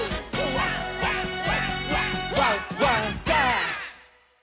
「ワンワンワンワンワンワンダンス！」